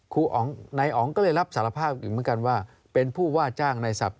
ครูอ๋องเหมือนกันว่าเป็นผู้ว่าจ้างในศัพท์